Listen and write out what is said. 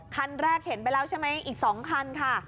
คันแรกเห็นไปแล้วใช่ไหมอีก๒คันค่ะ